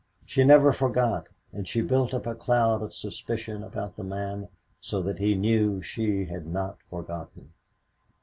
She never forgot and she built up a cloud of suspicion about the man so that he knew she had not forgotten.